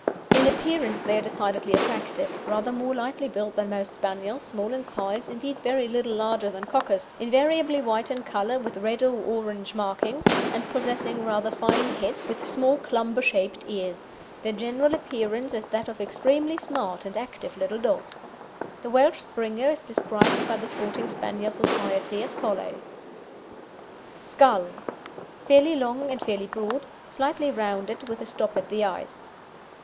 In appearance they are decidedly attractive, rather more lightly built than most Spaniels, small in size, indeed very little larger than Cockers, invariably white in colour, with red or orange markings, and possessing rather fine heads with small Clumber shaped ears. Their general appearance is that of extremely smart and active little dogs. The Welsh Springer is described by the Sporting Spaniel Society as follows: SKULL Fairly long and fairly broad, slightly rounded with a stop at the eyes.